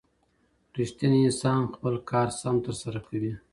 رښتينی انسان خپل کار سم ترسره کوي.